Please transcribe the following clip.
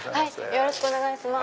よろしくお願いします。